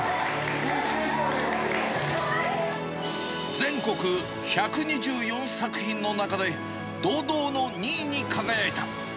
全国１２４作品の中で、堂々の２位に輝いた。